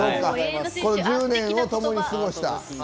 １０年を共に過ごした。